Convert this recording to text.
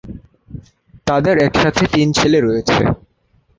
তাদের একসাথে তিন ছেলে রয়েছে।